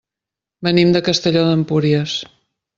Venim de Castelló d'Empúries.